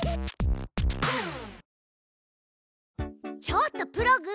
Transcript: ちょっとプログ！